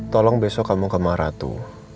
tolong besok kamu ke maratu